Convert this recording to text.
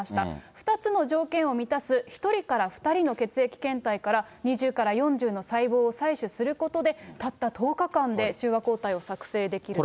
２つの条件を満たす、１人から２人の血液検体から２０から４０の細胞を採取することで、たった１０日間で中和抗体を作製できると。